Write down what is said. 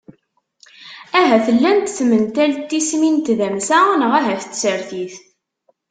Ahat llant tmental n tismin n tdamsa neɣ ahat n tsertit.